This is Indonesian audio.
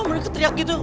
mereka teriak gitu